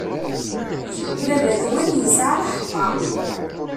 Baba-twen yesɛa lḥeṭṭa.